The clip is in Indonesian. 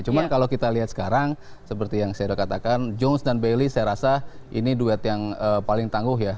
cuma kalau kita lihat sekarang seperti yang saya sudah katakan jones dan baily saya rasa ini duet yang paling tangguh ya